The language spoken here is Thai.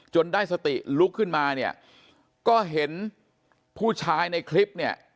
ได้สติลุกขึ้นมาเนี่ยก็เห็นผู้ชายในคลิปเนี่ย